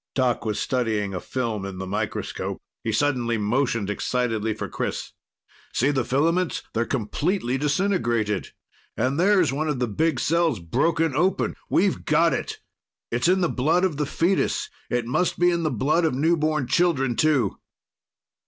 Doc was studying a film in the microscope. He suddenly motioned excitedly for Chris. "See the filaments? They're completely disintegrated. And there's one of the big cells broken open. We've got it! It's in the blood of the foetus. And it must be in the blood of newborn children, too!"